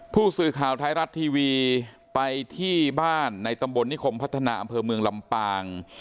ผู้สื่อข่าวไทยรัฐทีวีไปที่บ้านในตำบลนิคมพัฒนาอำเภอเมืองลำปาง